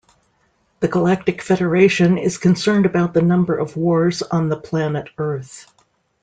The Galactic Federation is concerned about the number of wars on the Planet Earth.